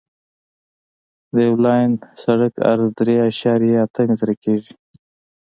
د یو لاین سرک عرض درې اعشاریه اته متره کیږي